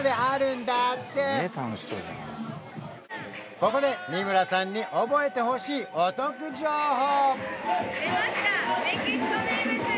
ここで三村さんに覚えてほしいお得情報！